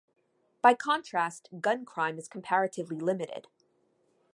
By contrast, gun crime is comparatively limited.